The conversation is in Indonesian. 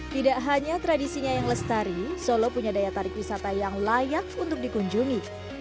tidak hanya tradisinya yang lestari solo punya daya tarik wisata yang layak untuk dikunjungi